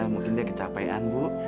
mungkin dia kecapean bu